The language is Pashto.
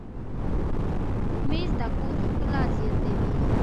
مېز د کور ښکلا زیاتوي.